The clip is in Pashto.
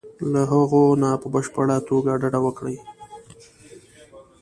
له هغو نه په بشپړه توګه ډډه وکړي.